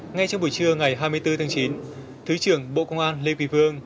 ngay trong buổi trưa ngày hai mươi bốn tháng chín thứ trưởng bộ công an lê kỳ vương